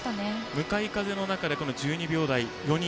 向かい風の中で１２秒台が４人。